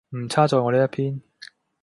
唔差在我呢一篇～